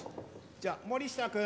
じゃあ森下君。